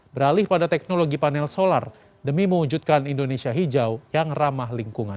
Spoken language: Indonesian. beralih pada teknologi panel solar demi mewujudkan indonesia hijau yang ramah lingkungan